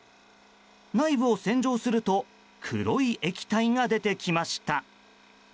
内部を洗浄すると黒い液体が出てきました。